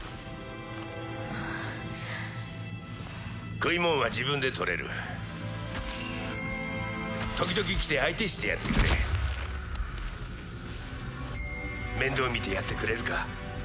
食いもんは自分で取れる時々来て相手してやってくれ面倒見てやってくれるか？